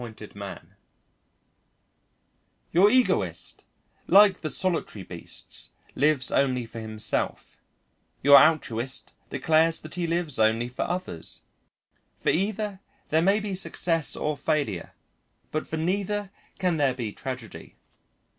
WELLS Your egoist, like the solitary beasts, lives only for himself; your altruist declares that he lives only for others; for either there may be success or failure but for neither can there be tragedy.